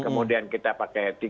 kemudian kita pakai tiga lima m